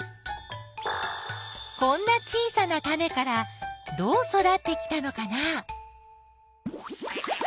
こんな小さなタネからどう育ってきたのかな？